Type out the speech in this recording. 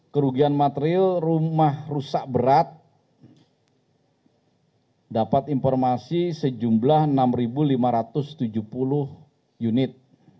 kerugian material rumah rusak berat dapat informasi sejumlah enam lima ratus tujuh puluh unit